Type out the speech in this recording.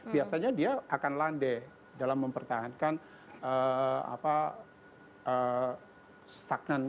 biasanya dia akan landai dalam mempertahankan stagnan